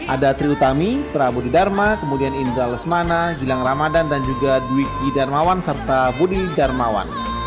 ada tri utami tera budi dharma kemudian indra lesmana jilang ramadan dan juga dwiki darmawan serta budi darmawan